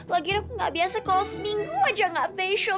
lagian aku nggak biasa kalau seminggu aja nggak facial